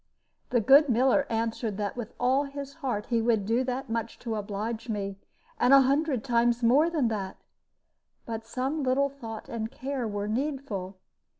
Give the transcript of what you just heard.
The good miller answered that with all his heart he would do that much to oblige me, and a hundred times more than that; but some little thought and care were needful.